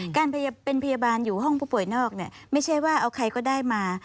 การเป็นพยาบาลอยู่ห้องผู้ป่วยนอกไม่ใช่ว่าเอาใครก็ได้มา